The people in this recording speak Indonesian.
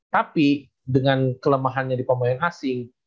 tapi dengan kelemahannya di pemain asing